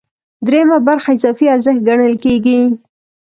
درېیمه برخه اضافي ارزښت ګڼل کېږي